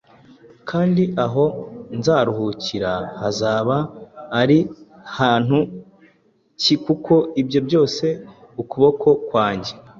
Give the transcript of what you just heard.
Kandi aho nzaruhukira hazaba ari hantu ki kuko ibyo byose ukuboko kwanjye